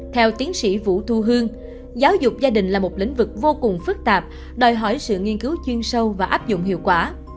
theo tiến sĩ vũ thu hương giáo dục gia đình là một lĩnh vực vô cùng phức tạp đòi hỏi sự nghiên cứu chuyên sâu và áp dụng hiệu quả